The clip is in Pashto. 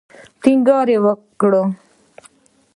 ټینګار وکړ.